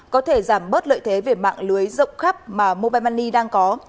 có thể giảm bớt lợi thế về mạng lưới rộng khắp mà mobile money đang có